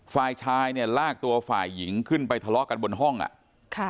ฝ่ายชายเนี่ยลากตัวฝ่ายหญิงขึ้นไปทะเลาะกันบนห้องอ่ะค่ะ